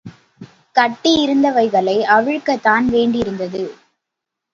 கட்டியிருந்தவைகளை அவிழ்க்கத்தான் வேண்டிருந்தது.